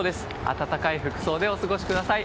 暖かい服装でお過ごしください。